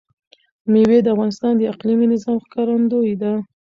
مېوې د افغانستان د اقلیمي نظام ښکارندوی ده.